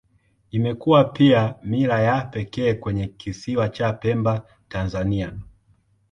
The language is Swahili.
Imekuwa pia mila ya pekee kwenye Kisiwa cha Pemba, Tanzania.